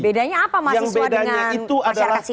bedanya apa mahasiswa dengan masyarakat sipil